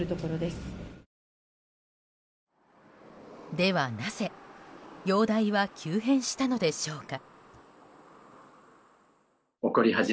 では、なぜ容体は急変したのでしょうか。